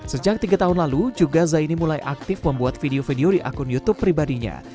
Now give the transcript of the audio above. sejak tiga tahun lalu juga zaini mulai aktif membuat video video di akun youtube pribadinya